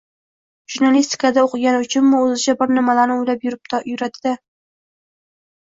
Jurnalistikada o`qigani uchunmi, o`zicha bir nimalarni o`ylab topib yuradi-da